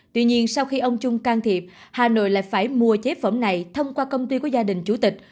tuy nhiên sau khi ông chung can thiệp hà nội lại phải mua chế phẩm này thông qua công ty của gia đình chủ tịch